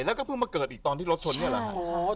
แล้วก็เพิ่งมาเกิดอีกตอนที่รถชนนี่แหละครับ